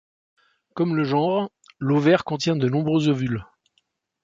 Comme le genre, l'ovaire contient de nombreux ovules.